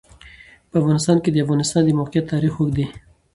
په افغانستان کې د د افغانستان د موقعیت تاریخ اوږد دی.